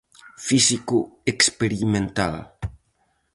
Físico experimental.